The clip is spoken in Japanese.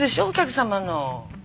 お客様の。